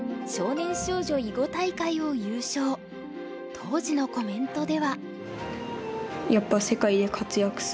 当時のコメントでは。